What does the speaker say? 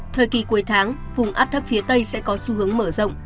thời kỳ cuối tháng vùng áp thấp phía tây sẽ có xu hướng mở rộng